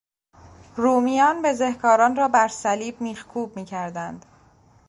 رومیان بزهکاران را بر صلیب میخکوب میکردند.